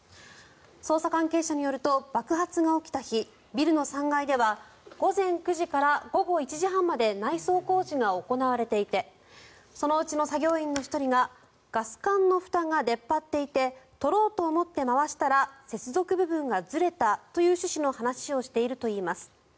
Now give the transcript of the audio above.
捜査関係者によると爆発が起きた日ビルの３階では午前９時から午後１時半まで内装工事が行われていてそのうちの作業員の１人がガス管のふたが出っ張っていて取ろうと思って回したら接続部分がずれたという趣旨の話をしているといいます。